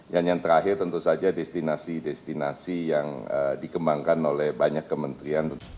dan yang terakhir tentu saja destinasi destinasi yang dikembangkan oleh banyak kementrian